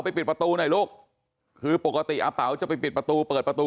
ปิดประตูหน่อยลูกคือปกติอาเป๋าจะไปปิดประตูเปิดประตู